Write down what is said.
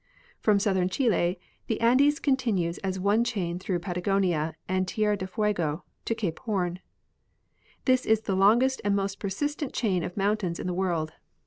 From southern Chile the Andes continues as one chain through Patagonia and Tierra del Fuego to Cape Horn. This is the longest and most persistent chain of mountains in the world.